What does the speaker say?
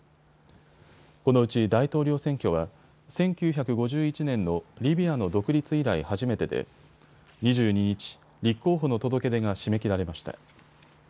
このうち大統領選挙は１９５１年のリビアの独立以来初めてで２２日、立候補の届け出が締め切られました。